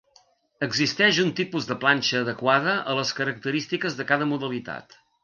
Existeix un tipus de planxa adequada a les característiques de cada modalitat.